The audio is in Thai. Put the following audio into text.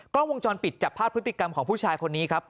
กล้องวงจรปิดจับภาพพฤติกรรมของผู้ชายคนนี้ครับ